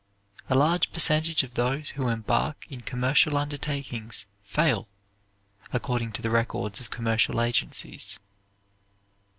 A large percentage of those who embark in commercial undertakings fail, according to the records of commercial agencies.